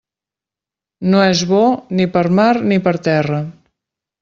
No és bo ni per mar ni per terra.